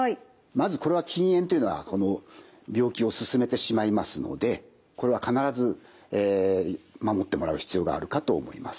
まずこれは禁煙というのはこの病気を進めてしまいますのでこれは必ず守ってもらう必要があるかと思います。